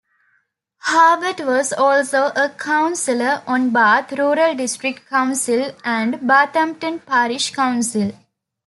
Harbutt was also a councillor on Bath rural district council and Bathampton parish council.